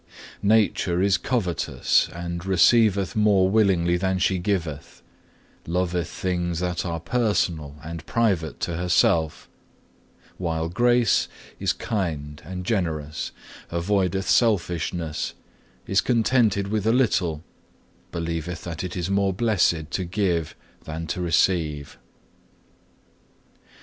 10. "Nature is covetous, and receiveth more willingly than she giveth, loveth things that are personal and private to herself; while Grace is kind and generous, avoideth selfishness, is contented with a little, believeth that it is more blessed to give than to receive.